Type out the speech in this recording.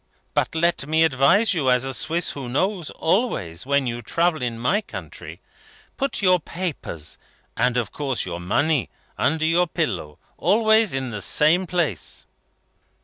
But let me advise you, as a Swiss who knows: always, when you travel in my country, put your papers and, of course, your money under your pillow. Always the same place."